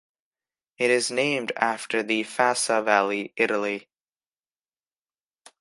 It is named after the Fassa Valley, Italy.